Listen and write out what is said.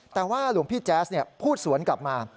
แต่ว่าหลวงพี่แจ๊สพูดสวนกลับมา